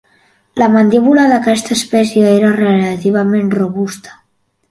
La mandíbula d'aquesta espècie era relativament robusta.